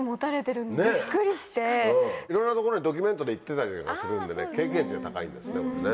いろんな所にドキュメントで行ってたりするんで経験値が高いんですね。